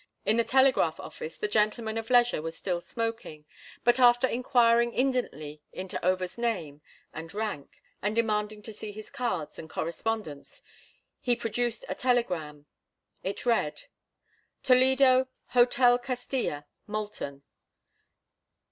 In the telegraph office the gentleman of leisure was still smoking, but after inquiring indolently into Over's name and rank, and demanding to see his cards and correspondence, he produced a telegram. It read: Toledo, Hotel Castilla. MOULTON.